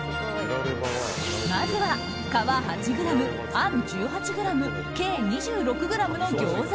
まずは皮８ｇ、あん１８ｇ計２６ｇの餃子